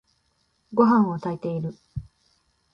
ごはんを炊いている。